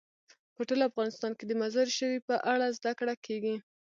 په ټول افغانستان کې د مزارشریف په اړه زده کړه کېږي.